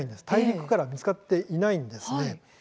大陸からは見つかっていないんです。